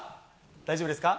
大丈夫ですか？